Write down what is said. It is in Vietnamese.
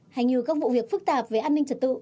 hành như các vụ việc phức tạp về an ninh trật tụ